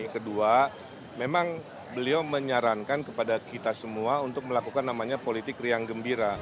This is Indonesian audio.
kedua memang beliau menyarankan kepada kita semua untuk melakukan namanya politik riang gembira